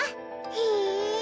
へえ！